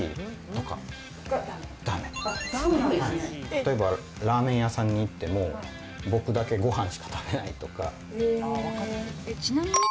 例えばラーメン屋さんに行っても僕だけご飯しか食べないとかえ！